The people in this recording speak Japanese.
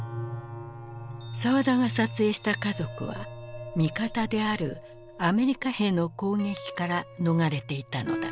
沢田が撮影した家族は味方であるアメリカ兵の攻撃から逃れていたのだ。